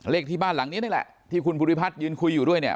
ที่บ้านหลังนี้นี่แหละที่คุณภูริพัฒน์ยืนคุยอยู่ด้วยเนี่ย